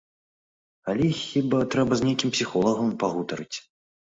Але хіба трэба з нейкім псіхолагам пагутарыць.